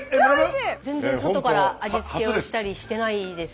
外から味付けをしたりしてないです。